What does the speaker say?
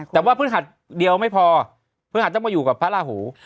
แต่ว่าพึ่งฮัตเดียวไม่พอพึ่งฮัตจะมาอยู่กับพระล่าหู